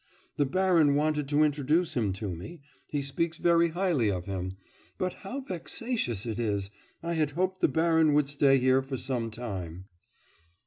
The baron wanted to introduce him to me he speaks very highly of him. But how vexatious it is! I had hoped the baron would stay here for some time.